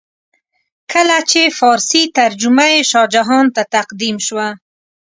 کله چې فارسي ترجمه یې شاه جهان ته تقدیم شوه.